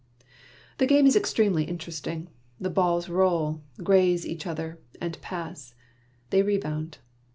The game is extremely interesting. The balls roll, graze each other, and pass; they rebound.